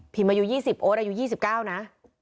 พิมพ์อายุ๒๐โอ๊ตอายุ๒๙นะ